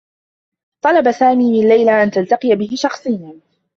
طلب سامي من ليلى أن تلتقي به شخصيّا.